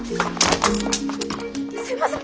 すいません！